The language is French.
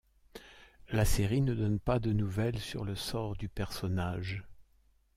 La série ne donne pas de nouvelles sur le sort du personnage.